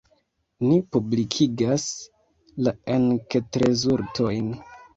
Ni publikigas la enketrezultojn.